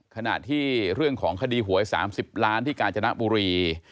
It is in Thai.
ขณะที่เรื่องของคดีหวย๓๐ล้านที่กาญจนบุรี